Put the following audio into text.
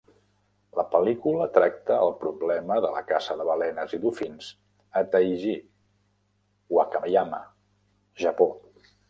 La pel·lícula tracta el problema de la caça de balenes i dofins a Taiji, Wakayama, Japó.